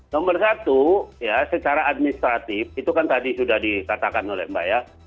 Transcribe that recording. nomor satu ya secara administratif itu kan tadi sudah dikatakan oleh mbak ya